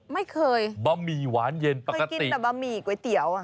ไม่เคยบะหมี่หวานเย็นเคยกินแต่บะหมี่ก๋วยเตี๋ยว